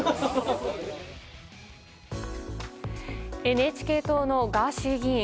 ＮＨＫ党のガーシー議員。